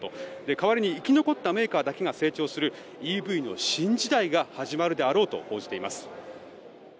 代わりに生き残ったメーカーだけが成長するＥＶの新時代が始まるであろうと報じています。